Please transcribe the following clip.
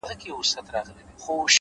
قاضي صاحبه ملامت نه یم؛ بچي وږي وه؛